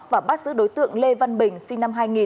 và bắt giữ đối tượng lê văn bình sinh năm hai nghìn